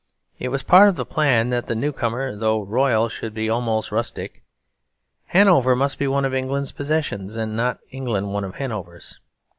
It was part of the plan that the new comer, though royal, should be almost rustic. Hanover must be one of England's possessions and not England one of Hanover's.